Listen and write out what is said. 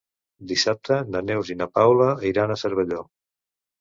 Dissabte na Neus i na Paula iran a Cervelló.